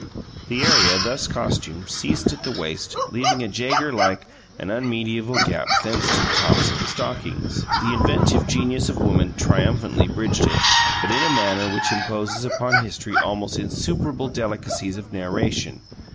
The area thus costumed ceased at the waist, leaving a Jaeger like and unmedieval gap thence to the tops of the stockings. The inventive genius of woman triumphantly bridged it, but in a manner which imposes upon history almost insuperable delicacies of narration.